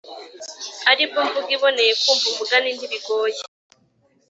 ari bwo mvugo iboneye, kumva umugani ntibigoye.